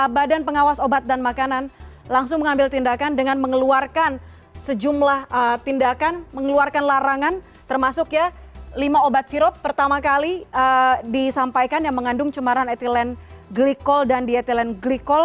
badan pengawas obat dan makanan langsung mengambil tindakan dengan mengeluarkan sejumlah tindakan mengeluarkan larangan termasuk ya lima obat sirup pertama kali disampaikan yang mengandung cemaran etilen glikol dan dietilen glikol